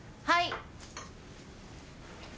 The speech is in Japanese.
はい。